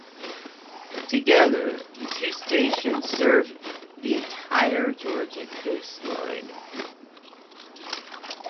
Together, the two stations serve the entire Georgia coastline.